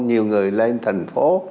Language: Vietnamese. nhiều người lên thành phố